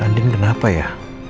andien kenapa ya